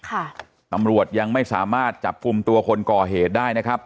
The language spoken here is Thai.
ตำรวจยังไม่สามารถจับกลุ่มตัวคนก่อเหตุได้นะครับ